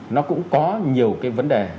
nó cũng có nhiều cái vấn đề